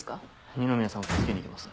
二宮さんを助けに行きます。